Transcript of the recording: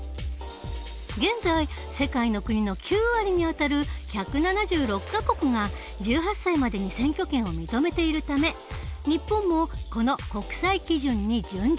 現在世界の国の９割にあたる１７６か国が１８歳までに選挙権を認めているため日本もこの国際基準に準じたい。